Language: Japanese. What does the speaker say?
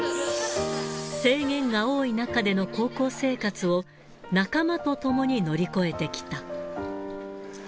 制限が多い中での高校生活を、仲間と共に乗り越えてきた。